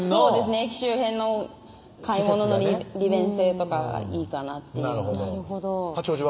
駅周辺の買い物の利便性とかがいいかなっていうのがあります